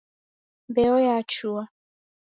Mbeo yachua